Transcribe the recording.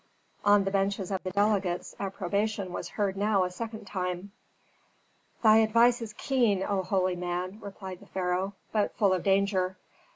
On the benches of the delegates approbation was heard now a second time. "Thy advice is keen, O holy man," replied the pharaoh, "but full of danger.